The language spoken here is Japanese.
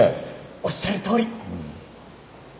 おっしゃるとおり！